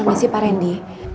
permisi pak reddy